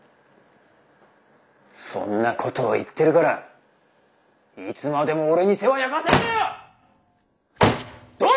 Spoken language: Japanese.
そんなことを言ってるからいつまでも俺に世話焼かせんだよ！